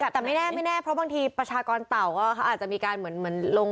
แต่ไม่แน่ไม่แน่เพราะบางทีประชากรเต่าก็เขาอาจจะมีการเหมือนลง